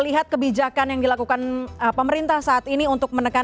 lihat kebijakan yang dilakukan pemerintah saat ini untuk menekan